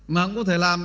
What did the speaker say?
mà cũng có thể làm